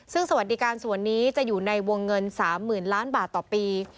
ซึ่งสวัสดิการส่วนนี้จะอยู่ในวงเงิน๓๐๐๐ล้านบาทต่อปี